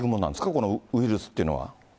このウイルスというのは。